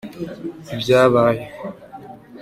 ibyabaye.